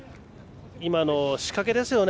今の仕掛けですよね。